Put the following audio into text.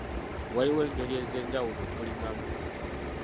Waliwo engeri ez'enjawulo ez'okulimamu.